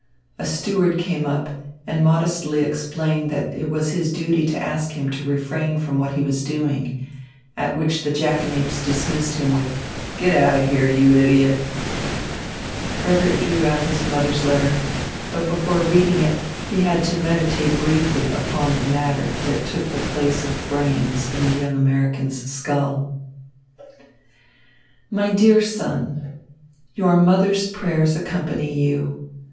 A steward came up and modestly explained that it was his duty to ask him to refrain from what he was doing. At which the jackanapes dismissed him with "Get out of here, you idiot." Frederick drew out his mother's letter, but before reading it, he had to meditate briefly upon the matter that took the place of brains in the young American's skull. My Dear Son, Your mother's prayers accompany you.